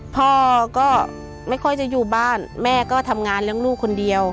พ่อก็ไม่ค่อยจะอยู่บ้านแม่ก็ทำงานเลี้ยงลูกคนเดียว